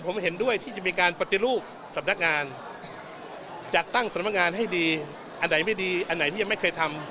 ผมเห็นด้วยที่จะมีการปฏิรูปสำนักงานจัดตั้งสำนักงานให้ดีอันไหนไม่ดีอันไหนที่ยังไม่เคยทำ